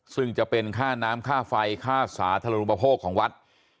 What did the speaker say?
ซึ่งจะเป็นค่าน้ำค่าไฟค่าสาธารณูปโภคของวัด